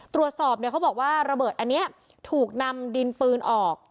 ตรวจสอบเนี่ยเขาบอกว่าระเบิดอันนี้ถูกนำดินปืนออก